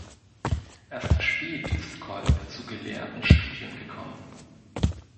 Erst spät ist Kolb zu gelehrten Studien gekommen.